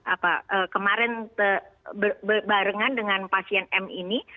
apa kemarin berbarengan dengan pasien m ini